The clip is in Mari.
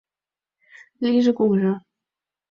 Лийже кугыжа».